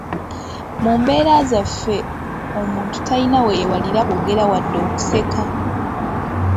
Mu mbeera zaffe omuntu, talina weyeewalira kwogera wadde okuseka.